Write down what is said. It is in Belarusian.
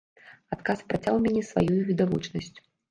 Адказ працяў мяне сваёй відавочнасцю.